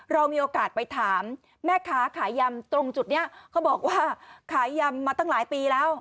เรามีโอกาสไปถามแม่ค้าขายยำตรงจุดนี้เขาบอกว่าขายยำมาตั้งหลายปีแล้ว